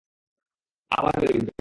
আবার বেড়ে উঠবে।